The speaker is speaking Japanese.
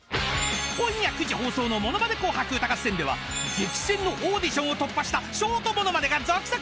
［今夜９時放送の『ものまね紅白歌合戦』では激戦のオーディションを突破したショートものまねが続々登場］